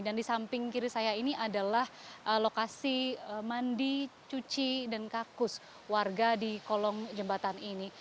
dan di samping kiri saya ini adalah lokasi mandi cuci dan kakus warga di kolong jembatan ini